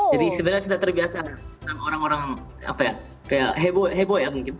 jadi sebenarnya saya terbiasa sama orang orang kayak heboh ya mungkin